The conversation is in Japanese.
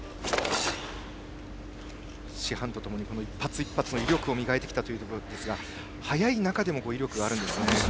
師範とともに１発１発の威力を磨いてきたということですが速い中でも威力があるんですね。